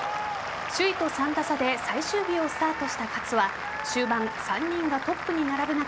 首位と３打差で最終日をスタートした勝は終盤、３人がトップに並ぶ中